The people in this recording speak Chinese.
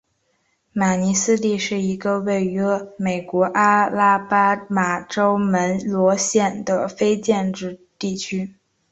马尼斯蒂是一个位于美国阿拉巴马州门罗县的非建制地区。